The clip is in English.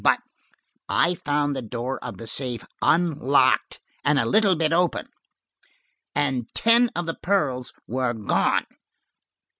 But–I found the door of the safe unlocked and a little bit open–and ten of the pearls were gone!"